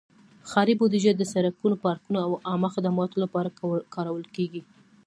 ښاري بودیجه د سړکونو، پارکونو، او عامه خدماتو لپاره کارول کېږي.